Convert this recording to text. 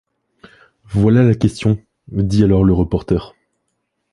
Voilà la question, dit alors le reporter.